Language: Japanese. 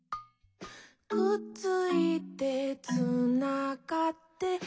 「くっついてつながって」